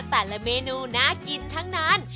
แต่ละเมนูน่ากินทั้งนั้น